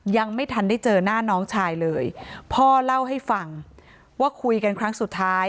ยังไม่ทันได้เจอหน้าน้องชายเลยพ่อเล่าให้ฟังว่าคุยกันครั้งสุดท้าย